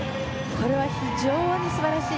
これは非常に素晴らしい。